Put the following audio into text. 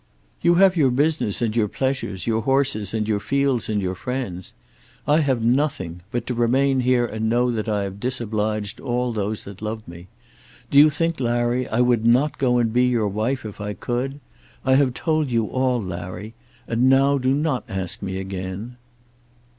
"You have your business and your pleasures, your horses and your fields and your friends. I have nothing, but to remain here and know that I have disobliged all those that love me. Do you think, Larry, I would not go and be your wife if I could? I have told you all, Larry, and now do not ask me again."